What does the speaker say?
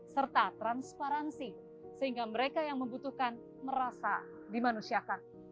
serta transparansi sehingga mereka yang membutuhkan merasa dimanusiakan